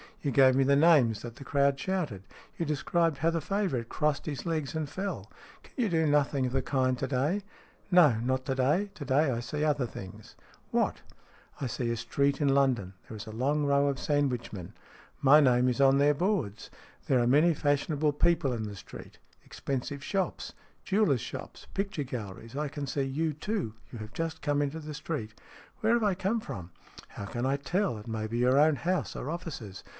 You gave me the names that the crowd shouted, You described how the favourite crossed his legs and fell. Can you do nothing of the kind to day ?"" No, not to day. To day I see other things." io STORIES IN GREY "What?" " I see a street in London. There is a long row of sandwichmen. My name is on their boards. There are many fashionable people in the street. Expensive shops. Jewellers' shops, picture galleries. I can see you, too. You have just come into the street." " Where have I come from ?"" How can I tell ? It may be your own house or offices.